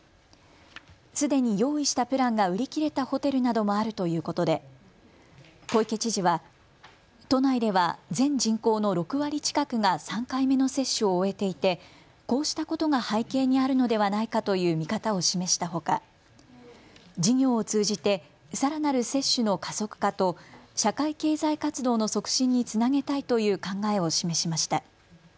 すでに用意したプランが売り切れたホテルなどもあるということで小池知事は都内では全人口の６割近くが３回目の接種を終えていてこうしたことが背景にあるのではないかという見方を示したほか事業を通じて、さらなる接種の加速化と社会経済活動の促進につなげたいという考えを示しました。